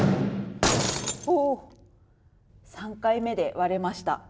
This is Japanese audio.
３回目で割れました。